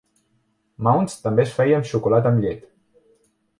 "Mounds" també es feia amb xocolata amb llet.